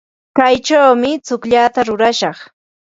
Kaychawmi tsukllata rurashaq.